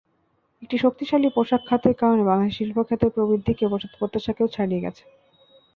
একটি শক্তিশালী পোশাক খাতের কারণে বাংলাদেশে শিল্প খাতের প্রবৃদ্ধি প্রত্যাশাকেও ছাড়িয়ে গেছে।